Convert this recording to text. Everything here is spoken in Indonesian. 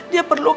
dia perlu kamu